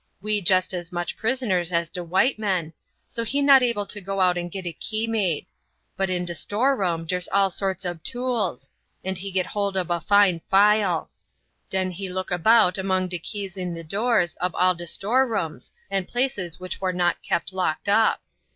We jest as much prisoners as de white men, so he not able to go out to git a key made; but in de storeroom dere's all sorts ob tools, and he git hold ob a fine file; den he look about among de keys in de doors ob all de storerooms and places which wor not kept locked up.